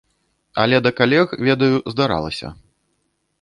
Але да калег, ведаю, здаралася.